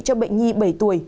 cho bệnh nhi bảy tuổi